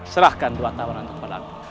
serahkan dua tahun untuk pelanggan